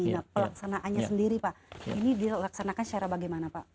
nah pelaksanaannya sendiri pak ini dilaksanakan secara bagaimana pak